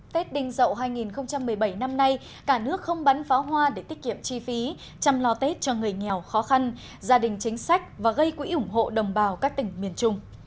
tết đinh dậu hai nghìn một mươi bảy năm nay cả nước không bắn pháo hoa để tiết kiệm chi phí chăm lo tết cho người nghèo khó khăn gia đình chính sách và gây quỹ ủng hộ đồng bào các tỉnh miền trung